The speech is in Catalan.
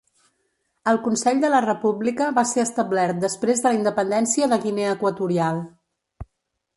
El Consell de la República va ser establert després de la Independència de Guinea Equatorial.